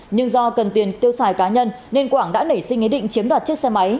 nhưng do cần tiền tiêu xài cá nhân nên quảng đã nảy sinh ý định chiếm đoạt chiếc xe máy